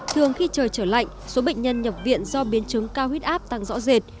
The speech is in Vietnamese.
thường khi trời trở lạnh số bệnh nhân nhập viện do biến chứng cao huyết áp tăng rõ rệt